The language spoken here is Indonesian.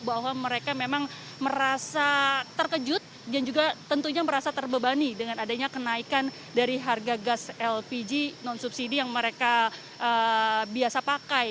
bahwa mereka memang merasa terkejut dan juga tentunya merasa terbebani dengan adanya kenaikan dari harga gas lpg non subsidi yang mereka biasa pakai